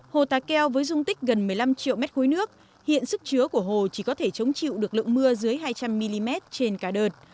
hồ tà keo với dung tích gần một mươi năm triệu m ba nước hiện sức chứa của hồ chỉ có thể chống chịu được lượng mưa dưới hai trăm linh mm trên cả đợt